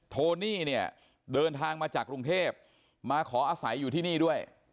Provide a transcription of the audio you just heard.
โทนี่เนี่ยเดินทางมาจากกรุงเทพมาขออาศัยอยู่ที่นี่ด้วย